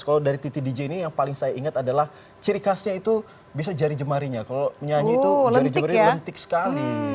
kalau dari titi dj ini yang paling saya ingat adalah ciri khasnya itu bisa jari jemarinya kalau menyanyi itu jari jemari lentik sekali